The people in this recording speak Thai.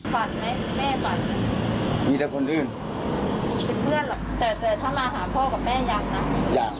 ฝันไหมแม่ฝันมีแต่คนอื่นเป็นเพื่อนหรอกแต่แต่ถ้ามาหาพ่อกับแม่ยังนะยัง